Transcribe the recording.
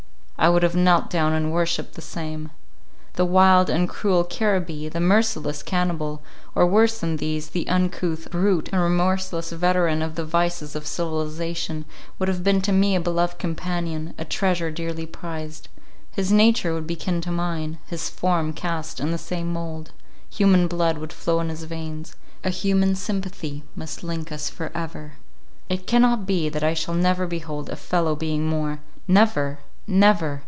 I would have knelt down and worshipped the same. The wild and cruel Caribbee, the merciless Cannibal—or worse than these, the uncouth, brute, and remorseless veteran in the vices of civilization, would have been to me a beloved companion, a treasure dearly prized—his nature would be kin to mine; his form cast in the same mould; human blood would flow in his veins; a human sympathy must link us for ever. It cannot be that I shall never behold a fellow being more!—never! —never!